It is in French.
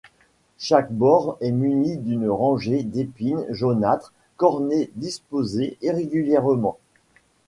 Chaque bord est muni d'une rangée d'épines jaunâtres cornées disposées irrégulièrement.